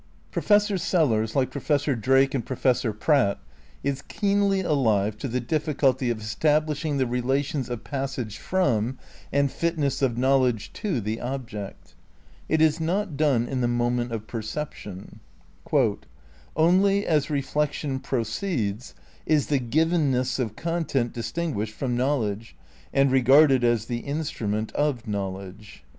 Professor Sellars, like Professor Drake and Pro fessor Pratt is keenly ahve to the difficulty of estab lishing the relations of passage from and fitness of knowledge to the object. It is not done in the moment of perception. "Only as reflection proceeds is the givenness of content dis tinguished from knowledge and regarded as the instrument of know ledge."